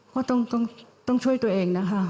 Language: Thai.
ก็ต้องช่วยตัวเองนะคะ